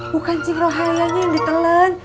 bukan ncingrohayanya yang ditelan